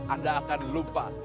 anda akan lupa